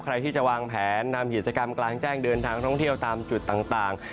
ใครที่จะวางแผนนำกิจกรรมกลางแจ้งเดินทางท่องเที่ยวตามจุดต่าง